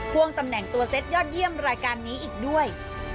พ่วงตำแหน่งตัวเซ็ตยอดเยี่ยมรายการนี้อีกด้วย